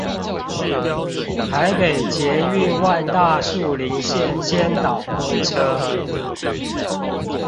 台北捷運萬大樹林線先導公車